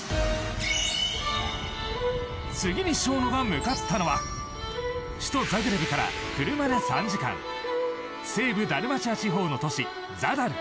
次にＳＨＯＮＯが向かったのは首都ザグレブから車で３時間西部ダルマチア地方の都市ザダル。